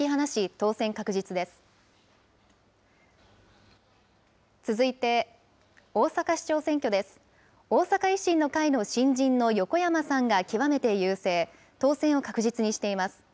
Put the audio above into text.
当選を確実にしています。